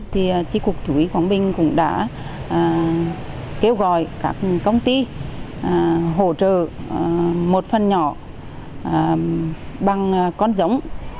thì tri cục thú y quảng bình cũng đã kêu gọi các công ty hỗ trợ một phần nhỏ bằng con giống